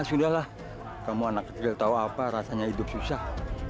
sudahlah kamu anak kecil tahu apa rasanya hidup susah